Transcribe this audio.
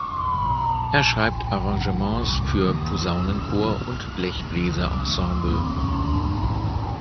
Er schreibt Arrangements für Posaunenchor und Blechbläserensemble.